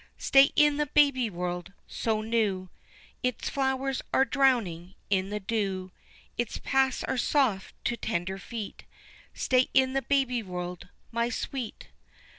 Stay in the baby world so new, Its flowers are drowning in the dew, Its paths are soft to tender feet, Stay in the baby world, my sweet!